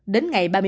đến ngày ba mươi một